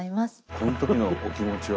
この時のお気持ちは？